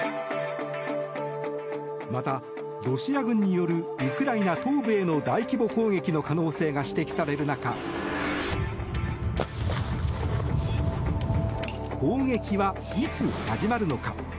また、ロシア軍によるウクライナ東部への大規模攻撃の可能性が指摘される中攻撃は、いつ始まるのか。